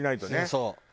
そう。